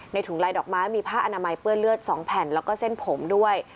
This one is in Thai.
ถุงลายดอกไม้มีผ้าอนามัยเปื้อนเลือด๒แผ่นแล้วก็เส้นผมด้วย